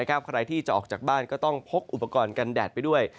ใครที่จะออกจากบ้านก็ต้องพกอุปกรณ์กันแดดไปด้วย